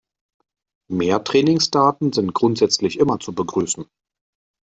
Mehr Trainingsdaten sind grundsätzlich immer zu begrüßen.